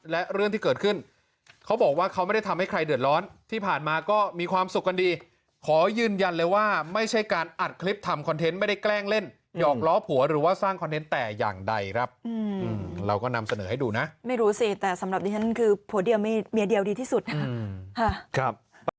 แล้วผัวหรือว่าสร้างคอนเทนต์แต่อย่างใดครับเราก็นำเสนอให้ดูนะไม่รู้สิแต่สำหรับฉันคือผัวเดียวไม่เมียเดียวดีที่สุดครับ